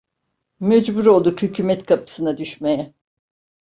Mecbur olduk hükümet kapısına düşmeye.